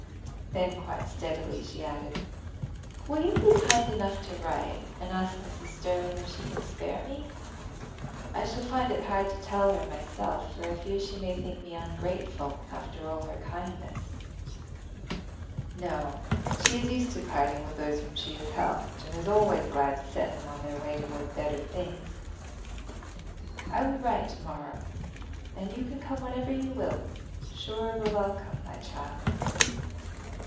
Then quite steadily she added: "Will you be kind enough to write, and ask Mrs. Sterling if she can spare me? I shall find it hard to tell her myself, for I fear she may think me ungrateful after all her kindness." "No: she is used to parting with those whom she has helped, and is always glad to set them on their way toward better things. I will write to morrow, and you can come whenever you will, sure of a welcome, my child."